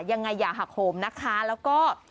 อย่าหักโหมนะคะแล้วก็